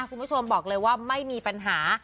คุณผู้ชมบอกเลยว่าไม่มีปัญหา